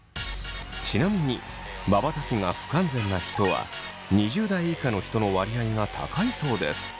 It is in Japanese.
ちなみにまばたきが不完全な人は２０代以下の人の割合が高いそうです。